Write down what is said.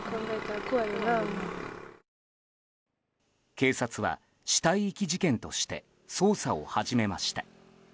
警察は、死体遺棄事件として捜査を始めました。